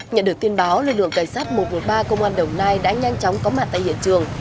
nhận được tin báo lực lượng cảnh sát một ba công an đồng nai đã nhanh chóng có mặt tại hiện trường